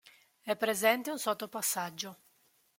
È presente un sottopassaggio.